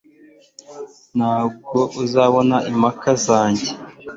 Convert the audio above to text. ntabwo uzabona impaka zanjye